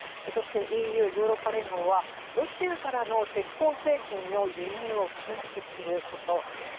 そして、ＥＵ・ヨーロッパ連合はロシアからの鉄鋼製品の輸入を禁止すること。